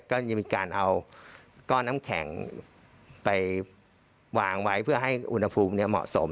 ก็จะมีการเอาก้อนน้ำแข็งไปวางไว้เพื่อให้อุณหภูมิเหมาะสม